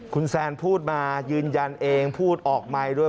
คุณแซนพูดมายืนยันเองพูดออกไมค์ด้วย